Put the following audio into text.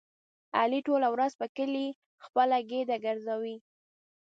علي ټوله ورځ په کلي خپله ګېډه ګرځوي.